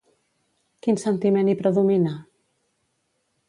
Quin sentiment hi predomina?